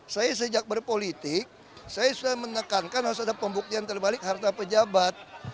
saya sejak berpolitik saya sudah menekankan harus ada pembuktian terbalik harta pejabat